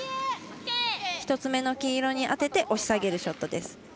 １つ目の黄色に当てて押し下げるショットです。